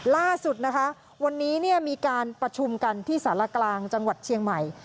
ล่าสุดนะคะวันนี้มีการประชุมกันที่สารกลางจังหวัดเชียงใหม่